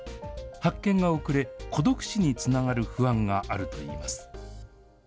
発見が遅れ、孤独死につながる不安があるといいます。